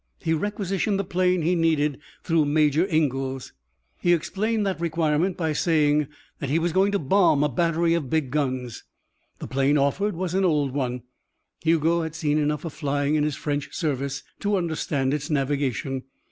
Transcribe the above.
He requisitioned the plane he needed through Major Ingalls. He explained that requirement by saying that he was going to bomb a battery of big guns. The plane offered was an old one. Hugo had seen enough of flying in his French service to understand its navigation.